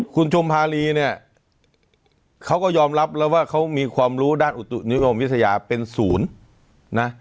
คุณชุมภารีเนี่ยเขาก็ยอมรับแล้วว่าเขามีความรู้ด้านอุตุนิยมวิทยาเป็นศูนย์นะ